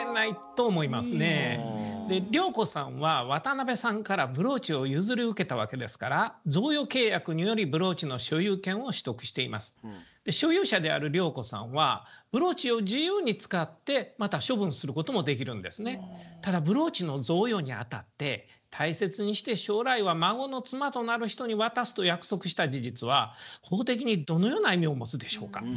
涼子さんは渡辺さんからブローチを譲り受けたわけですからただブローチの贈与にあたって「大切にして将来は孫の妻となる人に渡す」と約束した事実は法的にどのような意味を持つでしょうか。